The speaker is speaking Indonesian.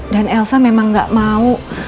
dan elsa memang gak mau